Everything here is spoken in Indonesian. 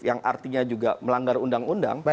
yang artinya juga melanggar undang undang